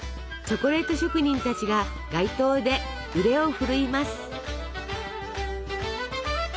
チョコレート職人たちが街頭で腕を振るいます。